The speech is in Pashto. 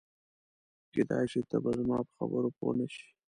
کېدای شي ته به زما په خبرو پوه نه شې.